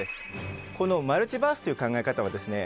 このマルチバースという考え方はですね